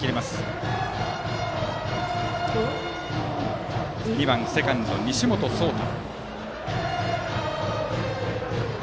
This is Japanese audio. バッターは２番、セカンド西本颯汰。